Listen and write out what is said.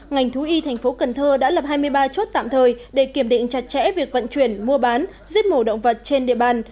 ngành thú y thành phố cần thơ đã lập hai mươi ba chốt tạm thời để kiểm định chặt chẽ việc vận chuyển mua bán giết mổ động vật trên địa bàn